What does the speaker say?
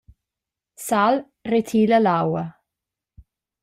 Sal retila la aua.